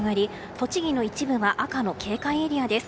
栃木の一部は赤の警戒エリアです。